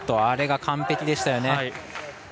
あれが完璧でしたよね。